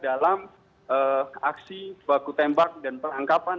dalam aksi baku tembak dan perangkapan